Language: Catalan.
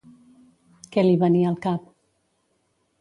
Què li venia al cap?